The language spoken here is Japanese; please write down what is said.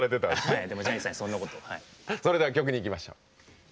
それでは曲にいきましょう。